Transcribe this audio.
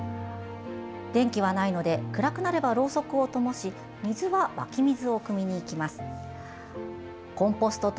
電気はないので暗くなれば、ろうそくをともし水は湧き水をくみにいきます。